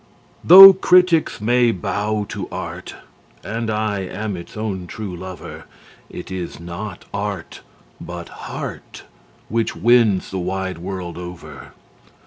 Though critics may bow to art, and I am its own true lover, It is not art, but heart, which wins the wide world over.